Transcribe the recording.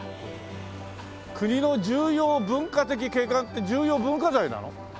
「国の重要文化的景観」って重要文化財なの？